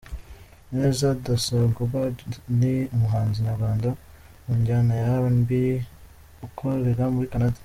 Neza Da Songbird ni umuhanzi nyarwanda mu njyana ya R&B ukorera muri Canada.